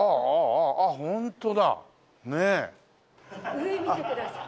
上見てください。